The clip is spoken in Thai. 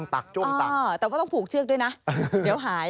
แต่ก็ต้องผูกเชือกด้วยนะเดี๋ยวหาย